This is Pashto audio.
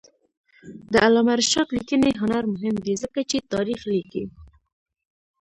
د علامه رشاد لیکنی هنر مهم دی ځکه چې تاریخ لیکي.